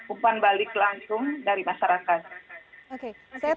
umpan balik langsung dari masyarakat